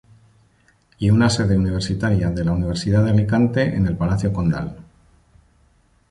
Y una sede universitaria de la Universidad de Alicante en el Palacio Condal.